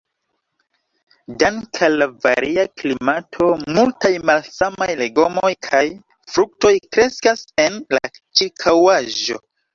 Dank' al la varia klimato, multaj malsamaj legomoj kaj fruktoj kreskas en la ĉirkaŭaĵo.